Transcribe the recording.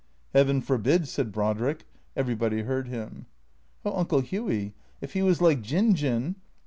" Heaven forbid," said Brodrick. Everybody heard him. " Oh, Uncle Hughy, if he was like Jin Jin